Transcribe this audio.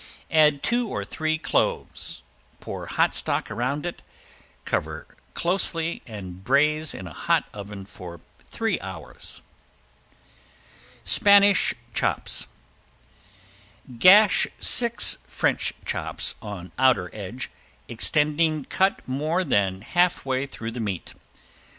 Add two or three cloves, pour hot stock around it, cover closely and braise in a hot oven for three hours. ~SPANISH CHOPS~ Gash six French chops on outer edge, extending cut more than half way through lean meat.